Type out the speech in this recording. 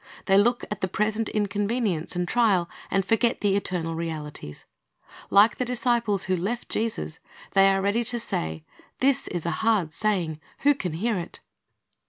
They look at the present inconvenience and trial, and forget the eternal realities. Like the disciples who left Jesus, they are ready to say, "This is an hard saying: who can hear it?"